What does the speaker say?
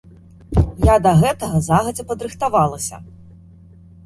Я да гэтага загадзя падрыхтавалася.